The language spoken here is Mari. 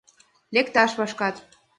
Лекташ вашкат.